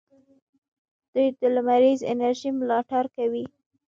دوی د لمریزې انرژۍ ملاتړ کوي.